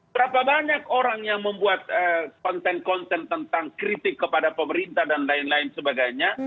berapa banyak orang yang membuat konten konten tentang kritik kepada pemerintah dan lain lain sebagainya